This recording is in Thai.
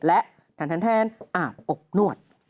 และแทนอาบอบนวด